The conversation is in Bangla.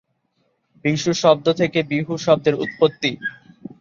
বিশু শব্দ থেকে বিহু শব্দের উৎপত্তি।